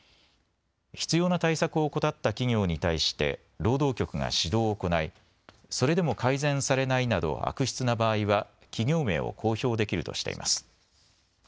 必要な対策を怠った企業に対して労働局が指導を行いそれでも改善されないなど悪質な場合は企業名を公表できるとしています。